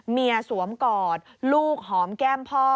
สวมกอดลูกหอมแก้มพ่อ